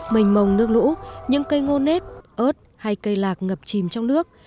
mình mồng nước lũ những cây ngô nếp ớt hay cây lạc ngập chìm trong nước